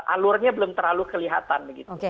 alurnya belum terlalu kelihatan